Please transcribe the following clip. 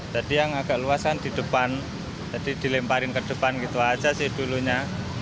tadi yang agak luasan di depan jadi dilemparin ke depan gitu aja sih dulunya